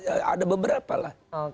jadi ada beberapa lah